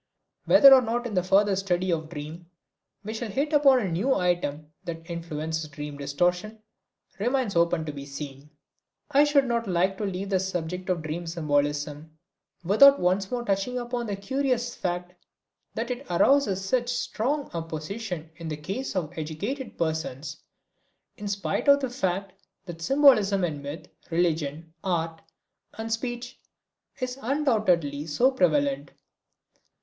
Whether or not in the further study of the dream we shall hit upon a new item that influences dream distortion, remains to be seen. I should not like to leave the subject of dream symbolism without once more touching upon the curious fact that it arouses such strong opposition in the case of educated persons, in spite of the fact that symbolism in myth, religion, art and speech is undoubtedly so prevalent.